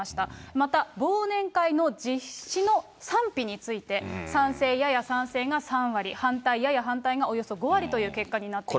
また、忘年会の実施の賛否について、賛成、やや賛成が３割、反対、やや反対がおよそ５割という結果になっています。